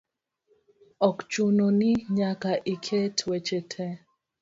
ok ochuno ni nyaka iket weche te.